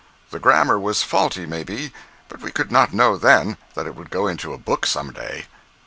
The grammar was faulty, maybe, but we could not know, then, that it would go into a book some day.